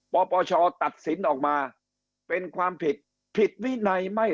ปปชตัดสินออกมาเป็นความผิดผิดวินัยไม่